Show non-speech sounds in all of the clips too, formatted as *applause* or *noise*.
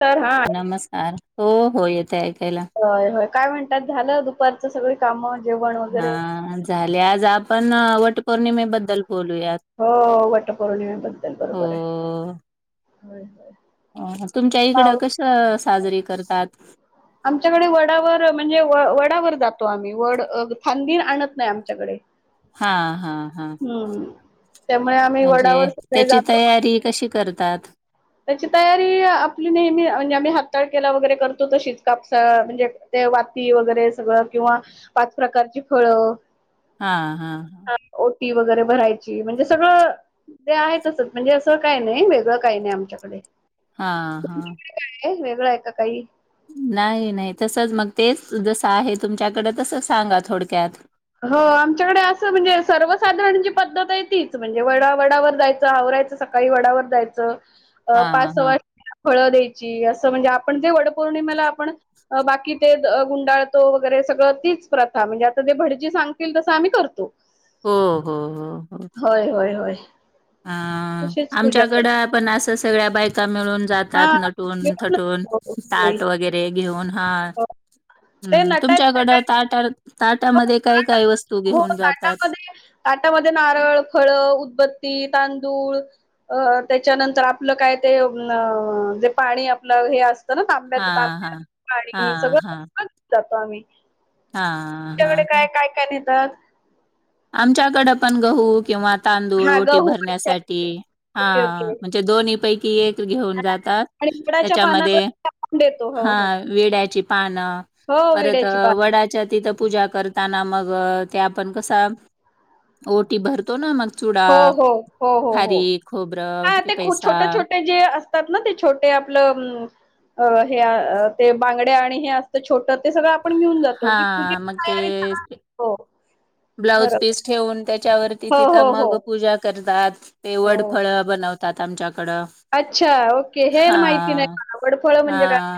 तर हा नमस्कार हो-हो येतात. होय-होय काय म्हणतात. झालं दुपारचं सगळी काम हा झाले आज आपण वटपौर्णिमेबद्दल बोलूयात. हो वटपौर्णिमेबद्दल हो बरोबर आहे. अ तुमच्या इकडं पाऊस कसं साजरी करतात. आमच्याकडे वडावर म्हणजे वडावर जातो. आम्ही वड फांदी आणत नाही आमच्याकडे हा-हा हम्म त्यामुळे आम्ही म्हणजे वडावर सगळे त्याची जातो तयारी कशी करतात. त्याची तयारी आपली नेहमी म्हणजे आम्ही हारताळकेला वगैरे करतो. तशीच कापसा म्हणजे हे वाती वगैरे सगळं किंवा पाच प्रकारची फळ. हा हा. टी वगैरे भरायची म्हणजे. आमच्याकडे हा हा. हे वेगळ आहे का काही. नाही नाही तसंच मग तेच जसं आहे तुमच्याकडे तसं सांगा थोडक्यात. हो आमच्याकडे असं म्हणजे सर्वसाधारण जी पद्धत आहे तीच म्हणजे वडा वडावर जायच. आवरायचं सकाळी वडावर जायचं हा अं पाच हा सवासन. फळं द्यायची. अं बाकी ते गुंडाळतो वगैरे सगळं तीच प्रथा म्हणजे आता ते भड. जी सांगतील तसं आम्ही करतो. हो हो हो हो. होय होय होय अं तशीच पूजा आमच्याकड करतो पण असंच सगळ्या बायका. मिळून जातात हा नटून थटून ताट वगैरे घेऊन. हा ते हम्म नटायचं तुमच्याकडं नटायचं ताटा ताटामध्ये काही. ताटा हो ताटामध्ये ताटामध्ये नारळ फळ उदबत्ती तां. दुळ अं त्याच्यानंतर आपलं काय ते अं जे पाणी आपलं हे असं. *unintelligible* हा तांब्याच हा हा पाणी हा सगळं *unintelligible* जातो आम्ही. हा हा. तर आमच्याकड पण गहू किंवा. तांदूळ हां ओटी गहू अच्छा भरण्यासाठी अच्छा. हा ओके ओके. म्हणजे दोन्हीपैकी एक. घेऊन हां जातात आणि विड्याच्या पानावर त्याच्यामध्ये. आपण देतो. हो, हा हो. विड्याची पानं हो परत विड्याची पानं. वडाच्या तिथं पूजा कर. ताना मग ते आपण कसा ओटी भरतो ना मग. चुडा, हो हो हो हो हो. खारीक, हा खोबरं, ते पैसा छोटे छोटे जे असतात ना ते छोटे आपलं उमं अं. हे ते बांगड्या आणि हे असत छोट ते सगळं. आपण घेऊन जातो हा ती पूजेची मग तयारी ते सगळं हो. ब्लाऊज बरोबर पीस ठेवून त्याच्यावरती हो हो तिथं हो मग हो पूजा करतात. ते वड फळ हो बनवतात आमच्या. कड अच्छा ओके हे हा माहिती नाही मला वडफळ हा. म्हणजे काय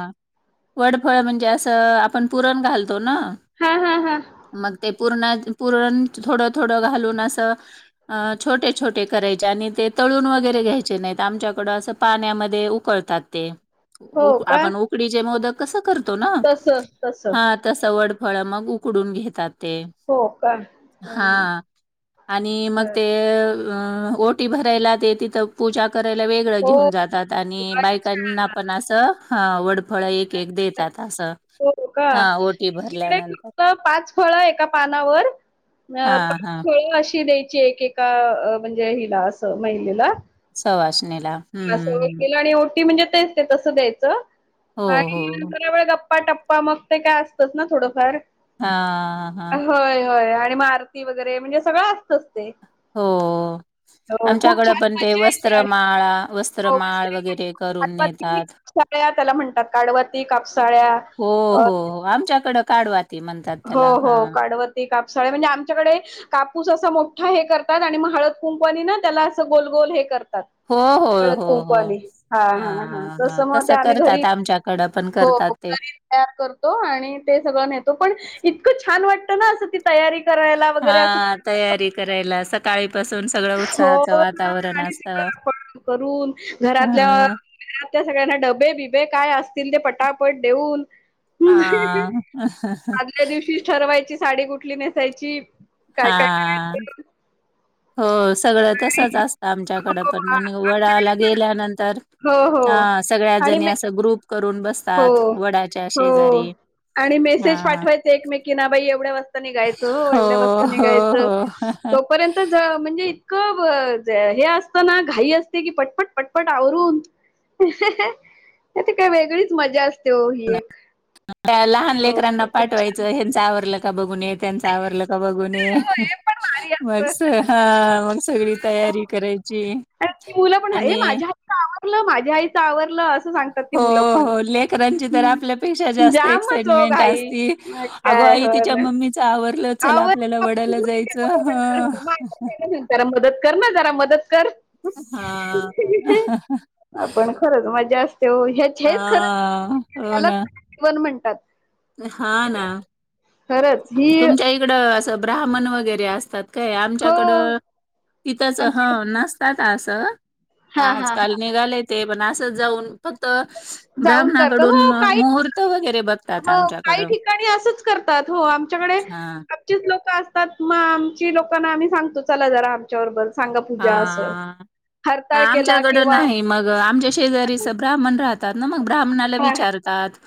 वडफळ म्हणजे असं आपण पुरण घालतो ना हा हा हा मग ते. पुरणा *unintelligible* पुरण थोडं थोडं घालून असं अं छोटे छोटे करायचे आणि ते तळून वगैरे. घ्यायचे नाहीत आमच्याकडं असं पाण्यामध्ये उकळतात ते. हो उक का आपण उकडीचे मोदक कसं करतो ना तसं तसं हा तसं वड. फळ मग उकडून घेतात ते. हा आणि मग बरं ते. अं ओटी भरायला ते तिथं पूजा. करायला वेगळं हो घेऊन जातात आणि बायकांना अच्छा पण असं हं वडफळ एक एक देतात. असं. हो का हां, ओटी इकडे भरल्यानंतर. फक्त पाच फळ एका पानावर. अं‌ हां, पण हां. फळ अशी द्यायची एकेका म्हणजे हिला असं महिलेला. सवासणीला. हं. *unintelligible* आणि ओटी म्हणजे तेच ते तसं द्यायचं हो, आणि हो. नंतर जरा वेळ गप्पा. टप्पा मग ते काय असतंच ना थोडंफार. हा हा. होय, होय आणि मग आरती वगैरे म्हणजे सगळं असतंच. हो. हो खूप आमच्याकडं छान पण ते मज्जा येते आणि. वस्त्रमाळा वस्त्रमाळ वगैरे करून नेतात. *inaudible* त्याला म्हणतात काडवती कापसाळ्या. हो हो अ हो आमच्याकड काडवाती म्हणत हो हो काडवती. कापसाळ म्हणजे आमच्याकडे कापूस असा मोठा हे करतात आणि हळद कुंकवानी ना त्याला असं गोलगोल हे करतात. हो, हो, हळद हो, हो. कुंकवानी हा हा हा हां, तस हां. मग ते तसं आम्ही करतात घरी आमच्याकडं पण करतात ते. र करतो आणि ते सगळं नेतो पण इतकं छान वाटत ना ती तयारी करायला वगैरे असं हा तयारी करायला सकाळी पासून सगळं हो उत्साहाचं ना वातावरण आणि असत सगळं आपण हह. त्या सगळ्यांना डबे बिबे काय असतील ते पटापट देऊन ह् हां. आदल्या दिवशी ठरवायची. साडी कुठली नेसायची काय काय हां. करायच. हो सगळं तसच असतं आमच्याकड हो पण आ- म्हण आमच्याकडे वडाला गेल्यानंतर हो हा हो सगळ्या आणि जणी मे असं ग्रुप करून हो बसतात वडाच्या हो शेजारी. आणि हा मेसेज पाठवायच एकमेकीना बाई एवढ्या वाजता निघायच हो एवढ्या हो वाजता हो. तोपर्यंत जर म्हणजे क वा हे असतना घाई असते की पटपट पटपट आवरू त्या काय वेगळीच मजा असते. हो ही एक लहान हो लेकरांना खूप छान पाठवायचं ह्यांच आवरल की. का बघून ये त्यांच आवरलं का बघून हो, हे पण भारी मग असत हा मग सगळी तयारी करायची. मुला पण आणि माझ्या आईच आवरलं माझ्या आईच आवरलं अस. हो हो लेकरांची तर आपल्यापेक्षा हम्म. जास्त जामच ओ एक्साइटमेंट घाई असते. मग काय ताई हो तिच्या ना मम्मीचा आवरल चल अहो आपल्याला वडाला जायचं ह. जरा मदत कर ना जरा मदत कर. हा. आपण खरंच मजा असते हो हे हा हेच खरं हो त्यालाच ना. जीवन म्हणतात हा ना खरंच ही तुमच्या इकडं असं ब्राह्मण वगैरे असतात. काय हो आमच्याकडं तिथंच आम ह नसतात असं. हा हा आजकाल हा निघालेय ते पण असंच जाऊन- फक्त ब्राह्मणाकडून मुहूर्त वगैर मग काही ठिकाणी असंच करतात हो आमच्याकडे हा आमचेच लोक अस आ मग आमची लोकांना आम्ही सांगतो चला जरा आमच्याबरोबर सांगा पूजा असं. ह हरताळ केला आमच्याकड किंवा नाही मग आमच्या शेजारीच ब्राह्मण राहत. त्या न मग ब्राह्मणाला हा हा विचारतात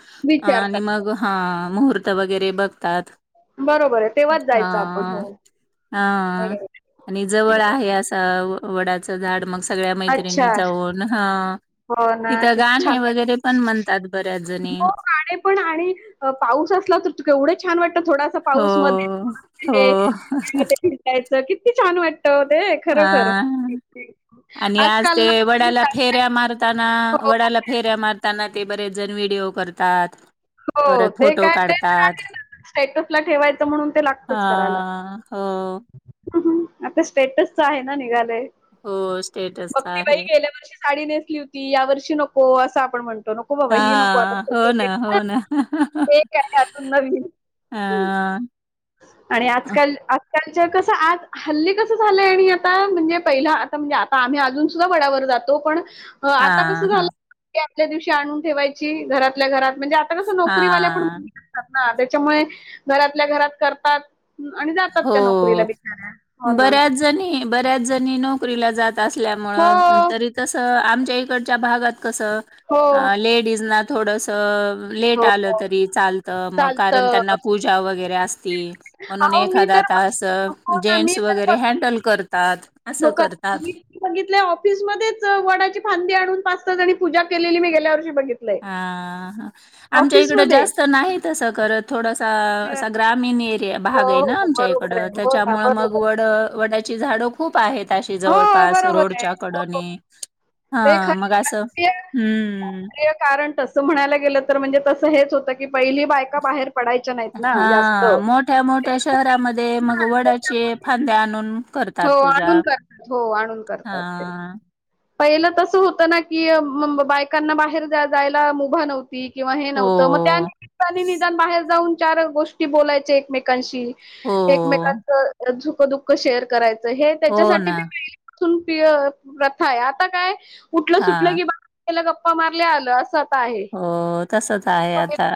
आणि विचारतात. मग हाआआ मग मु त वगैरे बघतात. बरोबर आहे तेव्हाच हा जायचं आपण हो. हा बरोबर. आणि जवळ आहे असं.. वडाचं झाड मग सगळ्या अच्छा मैत्रिणी जाऊन ह. हो ना तिथं किती गाणे छान वगैरे वाटलं. पण म्हणतात बर. हो ग पण आणि पाऊस असला तर तु एवढं छान वाट थोडासा हो पाऊस मध्ये हो फिरता येत किती छान वाटत. हो दे हा खरं खर. आणि आज ते वडाला फेऱ्या मारताना हो वडाला फेऱ्या मारताना ते बरेच जण व्हिडिओ करतात. हो परत ते फोटो काय तेच काढतात आहे. स्टेटस ला ठेवायचं म्हणून ते लागतच करायला. हा *unintelligible* हं, हं. आता स्टेटसच आहे ना निघाले. हो बग स्टेटसचा ती बाई आहे गेल्या वर्षी साडी नेसली होती या वर्षी नको असं आपण म्हणतो. नको बाबा ह नको आता हा हो ना हो ना ते काय अजून नवीन. हा.. आणि हा आजकाल आज कल्चर कस आज हल्ली कसं झालंय आणि आता म्हणजे पहि आता म्हणजे आता आम्ही अजून सुद्धा वडावर आ क झा हा आपल्या दिवशी आणून ठेवायची घरातल्या घरात म्हणजे कस हा नोकरीवाल्या पण मु असतात ना त्याच्यामुळे घरातल्या घरात करतात आणि जातात हो त्या नोकरीला बिचाऱ्या हो ना बऱ्याच जणी बऱ्याच नोकरी जात असल्यामुळे हो तरी तस आमच्या इकडच्या भागात कस हो लेडीज ना थोडस लेट हो आलं हो. तरी चालत मग कारण चालतं त्यांना पूजा वगैरे अस म्हणून अहो एक मी तर एखादात ब- असं हो जेंट्स वगैरे हँडल करतात ल असं करतात. बघित ऑफिसमध्येध्येच वडाची फांदी आणून त्यांनी पजा केलेली मी गेल्यावर हा आमच्या इकड ऑफिसमध्ये. जास्त नाही तस करत थोडसा हं. ा ग्रामी एरि हो, भाग आहे ना हो. आमच्या इकड बरोबर आहे. हो ना, त्याच्यामुळे मग बरोबर. वड झाड खूप आहेत अशी हो, जवळपास बरोबर आहे. रोडच्या हो, हो. कडणी हा ते खरं मग असं शास्त्रीय हम्म शास्त्रीय कारण तसं म्हणायला गेलं तर म्हणजे तसं हेच होतं क पहिली बायका बाहेर पडायच्या नाहीत ना जास्त हा मोठ्या ांद्या आणून हो पूजा आणून करतात हो आणून करतात ते हा पहिलं तसं होतं ना की बायकांना बाहेर जायला मुभा नव्हता किंवा हे हो नव्हतं मग त्या निमित्ताने निदान बाहेर जाऊन चार गोष्टी बोलायचे एकमेकांशी हो एकमेकचुक दुःख शेअर करायचं हे हो त्याच्यासाठी ना ते प्रथा आहे आता काय उठलं सुटलं हा की बाला गप्पा मारल्या आलं अस हो तसच आहे आता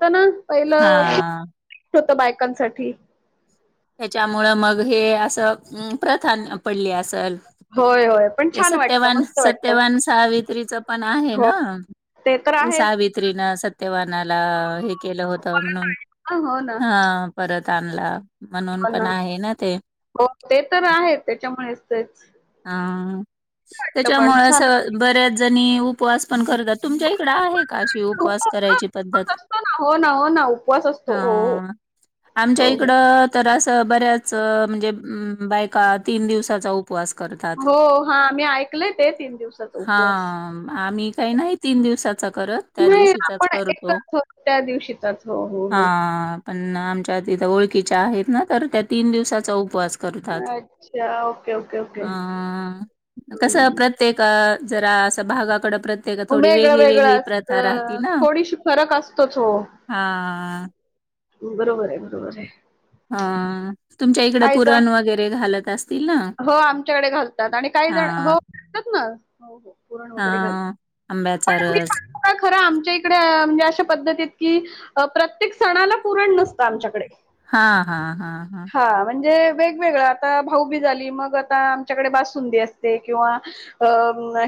हो ना पहिलं हा होत बायकांसाठी त्याच्यामुळं मग हे असं प्रथान पडले असेल होय होय पण ते छान वाटत सत्यवान मस्त वाटत सत्यवान सावित्रीच पण आहे हो ना तर ते आहेच सावित्री ना सत तेव्हानाला हे केलं होत म्हणून हो ना हा परत आणला म्हणून पण आहे ना ते हो ते तर आहे त्याच्यामुळेच तेच अ वाटतं पण छान वाटतं. त्याच्यामुळे बऱ्याच जणी उपवास पण करत तुमच्या इकडं आहे का अशी हो उपवास ना करायची उपवास पद्धत असतो ना हो ना हो ना उपवास असतो हो हा आमच्या हो हो इकडं तास बऱ्याच म्हणजे बायका तीन दिवसाचा हो हां मी ऐकलंय ते तीन दिवसाचा ह उपवास आही काही नाही त दिवसा कर त्या नाही दिवशीचाच आपण करतो एकच हो त्या दिवशीचाच हो हो हा हो आमच्याथ ओळखीच्या आहेत ना तर त्या तीन दिवसाचा उपवास ात अच्छा ओके ओके ओके कस प्रत्येक जरा असं भागाकड प्रत्येक थोडी वेगळं वेगळी वेगळं वेगळी प्रथा राहती असतं ना थोडीशी फरक असतोच हो हा ह बरोबर आहे बरोबर आहे हा तुमच्या इकडं काही जण पुरण वगैरे घालत असतील ना? हो आमच्याकडे घालतात आणि काही हा जण हो पुरण हा वगरेाल आंब्याचा पणग रस का खर आमच्या इकडे म्हणजे अशा पद्धतीत की प्रत्येक सणाला पुरण नसतं आमच्याकडे हा हा हा हा हा म्हणजे वेगवेगळं आता भाऊ बी झाली मग आता आमच्याकडे बाससुंदी असते किंवा अ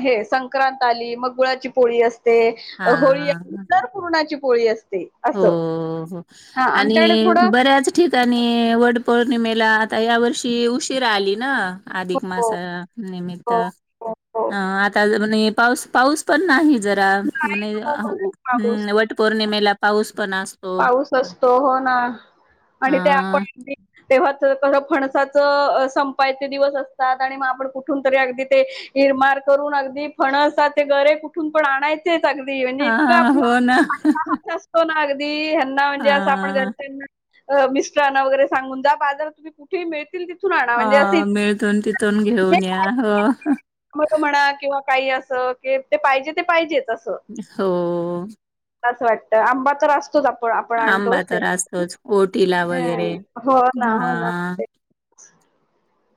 हे संक्रांत आली मग गुळाची पोळी असते ते हा होळी हा. आहेंदर पुरणाची पोळी असते असं. हो हां आणि आमच्याकडे थोडं बऱ्याच ठिकाणी वडपळ पौर्णिमेला आता या वर्षी उशीरा आली ना हो, अधिक हो, मासा निमित्त हो, हो, हो. अ आता म्हणे पाऊस पाऊस पण नाहीत जरा नाही हो, पाऊस म्हणे वटपौर्णिमेला पाऊस असतो हो ना अ आणि ते आपण तेव्हाच कसं फणसाचं संपायचे दिवस असतात आणि मग आपण कुठून तरी अगदी ते निरमार करून अगदी फणसाचे गरे कुठून पण आणायचे अगदी म्हणजे हा इतक आपल हो ना असताहात अगदी ह्याना म्हणजे अस आपण हा घरच्याना मिस्टरांना वगैरे सांगून जा बाजारात तुम्ही कुठे मिळ तील तिथून आणा हा म्हणजे अस मिळतून तिथून घेऊन या हो म त म्हणा किंवा काही असं की ते पाहिजे ते पाहिजेच हो अस वाटतं आंबा तर असतोच आप आपण आंबा आणतोच तर असतोच ओटीला वगैरे हो ना हा हो ना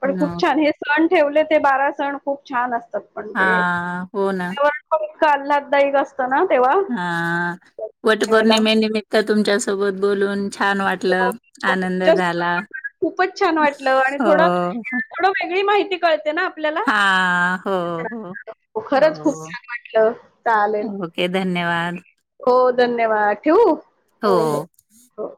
पण खूप छान हे सण ठेवले ते बारा सण खूप छान असते पण हा हो ना तेवर काल्हदा *unintelligible* ना तेव्हा हा वटपौर्णिमेला तुमच्या सोबत बोलून छान हो वाटलं हो आनंद तुमच्यासोबत झाला पण मला खूपच छान वाटलं आणि हो थोडं थोडं वेगळी माहिती कळते ना आपल्याला हा हो हो खरंच खूप हो छान वाटलं चालेल ओके धन्यवाद हो धन्यवाद ठेवू हो हो